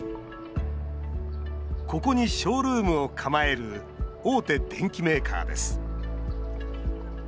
ここにショールームを構える大手電機メーカーです。